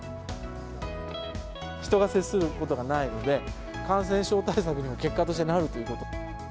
人が接することがないので、感染症対策にも、結果としてなるということ。